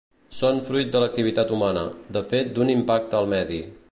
Són fruit de l'activitat humana, de fet d'un impacte al medi.